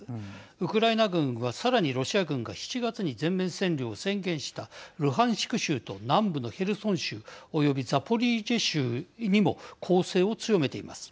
ウクライナ軍は、さらにロシア軍が７月に全面占領を宣言したルハンシク州と南部のヘルソン州及びザポリージャ州にも攻勢を強めています。